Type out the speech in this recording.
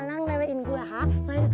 banget banget ya